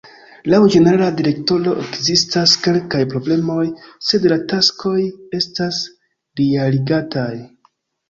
Laŭ la ĝenerala direktoro ekzistas kelkaj problemoj, sed la taskoj estas realigataj.